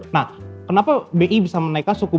nah kenapa bi bisa menaikkan suku bunga